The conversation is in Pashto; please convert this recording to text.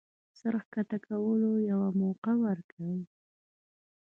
د سر ښکته کولو يوه موقع ورکړي